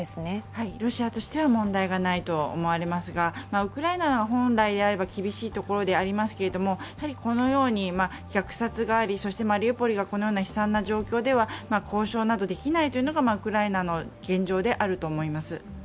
はい、ロシアとしては問題がないと思われますが、ウクライナは本来でしれば厳しいところでありますけど、このように虐殺がありそしてマリウポリが悲惨な状況では交渉などできないというのがウクライナの現状であると思います。